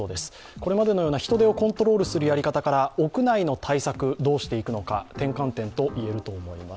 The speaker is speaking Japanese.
これまでのような人出をコントロールするような対策から屋内の対策どうしていくのか、転換点と言われています。